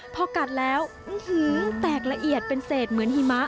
พอกัดแล้วแตกละเอียดเป็นเศษเหมือนหิมะ